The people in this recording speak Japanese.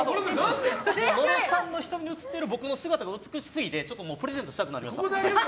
野呂さんの瞳に映っている僕の姿が美しすぎてちょっとプレゼントしたくなりました。